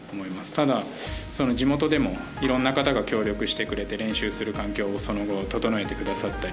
ただ、地元でもいろんな方が協力してくれて練習する環境をその後、整えてくださったり